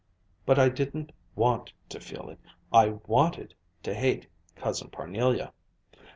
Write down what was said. But I didn't want to feel it. I wanted to hate Cousin Parnelia.